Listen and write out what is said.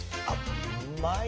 うまいな。